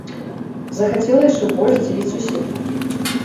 Захацела яшчэ больш здзівіць суседку.